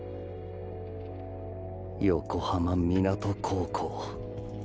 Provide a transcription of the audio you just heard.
横浜湊高校